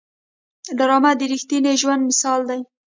ډرامه د رښتیني ژوند مثال دی